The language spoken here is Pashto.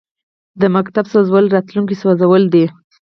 د ښوونځي سوځول راتلونکی سوځول دي.